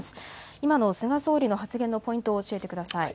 今の菅総理の発言のポイントを教えてください。